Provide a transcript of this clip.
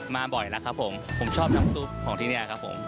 มาบ่อยแล้วครับผมผมชอบน้ำซุปของที่นี่ครับผม